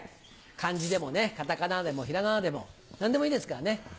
漢字でも片仮名でも平仮名でも何でもいいですからね。